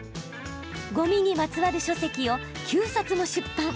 ごみにまつわる書籍を９冊も出版。